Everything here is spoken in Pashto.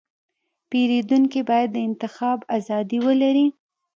پیرودونکی باید د انتخاب ازادي ولري.